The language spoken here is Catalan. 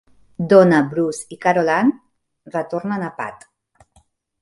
Donna, Bruce i Carol Anne retornen a Pat.